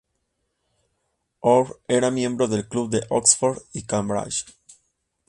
Orr era miembro del Club de Oxford y Cambridge.